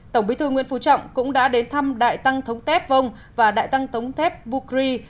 tổng bí thư nguyễn phú trọng cũng đã đến thăm đại tăng thống tép vông và đại tăng thống tép bukri